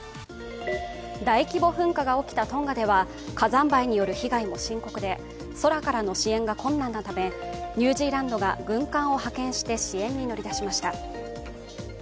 大規模噴火が起きたトンガでは火山灰による被害も深刻で空からの支援が困難なためニュージーランドが軍艦を派遣して支援に乗り出しました。